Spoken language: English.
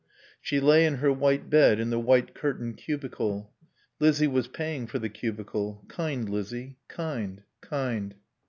She lay in her white bed in the white curtained cubicle. Lizzie was paying for the cubicle. Kind Lizzie. Kind. Kind.